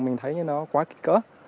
mình thấy nó quá kỹ cỡ